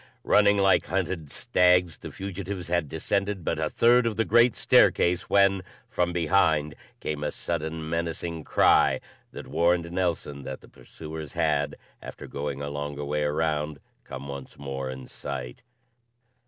Running like hunted stags, the fugitives had descended but a third of the great staircase, when, from behind, came a sudden, menacing cry that warned Nelson that the pursuers had, after going a longer way around, come once more in sight.